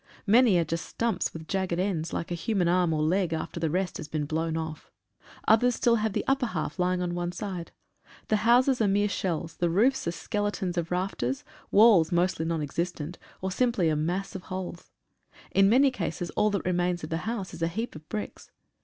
Many are just stumps with jagged ends, like a human arm or leg after the rest has been blown off. Others still have the upper half lying on one side. The houses are mere shells, the roofs are skeletons of rafters, walls mostly non existent, or simply a mass of holes. In many cases all that remains of the house is a heap of bricks.